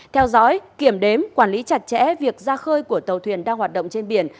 theo dõi kiểm đếm quản lý chặt chẽ việc ra khơi của tàu thuyền đang hoạt động trên biển